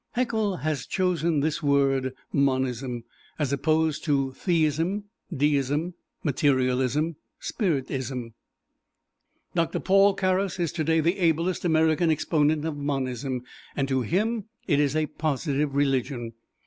Haeckel has chosen this word Monism, as opposed to theism, deism, materialism, spiritism. Doctor Paul Carus is today the ablest American exponent of Monism, and to him it is a positive religion.